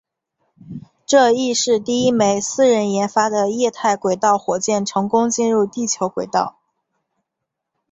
这亦是第一枚私人研发的液态轨道火箭成功进入地球轨道。